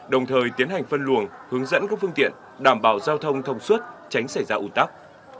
đồng thời tiến hành phân luồng hướng dẫn các phương tiện đảm bảo giao thông thông suốt tránh xảy ra ủ tắc